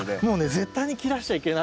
絶対に切らしちゃいけない。